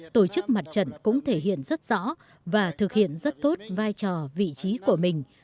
tổ chức mặt trận cũng thể hiện rất rõ và thực hiện rất tốt vai trò vị trí của mình